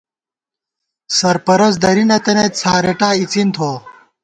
سرپرست درِی نَتَنَئیت څھارېٹا اِڅِن تھوَہ